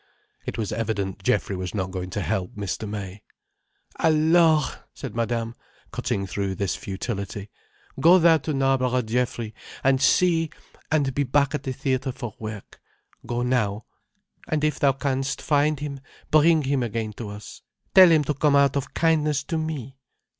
It was evident Geoffrey was not going to help Mr. May. "Alors!" said Madame, cutting through this futility. "Go thou to Knarborough, Geoffrey, and see—and be back at the theatre for work. Go now. And if thou can'st find him, bring him again to us. Tell him to come out of kindness to me.